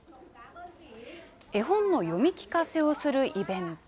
絵本の読み聞かせをするイベント。